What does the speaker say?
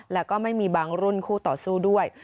แล้วก็ไม่มีบางรุ่นคู่ต่อสู้ด้วย